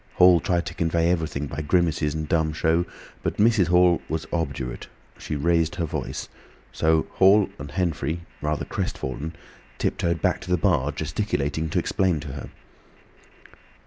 Hall tried to convey everything by grimaces and dumb show, but Mrs. Hall was obdurate. She raised her voice. So Hall and Henfrey, rather crestfallen, tiptoed back to the bar, gesticulating to explain to her.